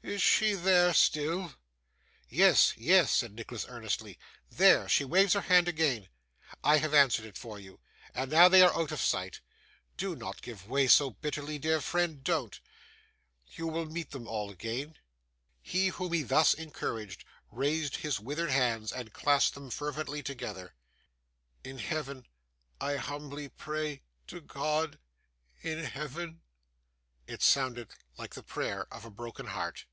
Is she there still?' 'Yes, yes!' said Nicholas earnestly. 'There! She waves her hand again! I have answered it for you and now they are out of sight. Do not give way so bitterly, dear friend, don't. You will meet them all again.' He whom he thus encouraged, raised his withered hands and clasped them fervently together. 'In heaven. I humbly pray to God in heaven.' It sounded like the prayer of a broken heart.